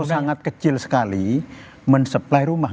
atau sangat kecil sekali mensupply rumah